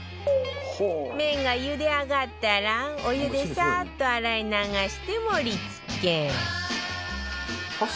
麺が茹で上がったらお湯でサーッと洗い流して盛り付け